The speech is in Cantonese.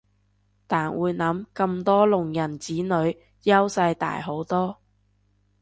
但會諗咁多聾人子女優勢大好多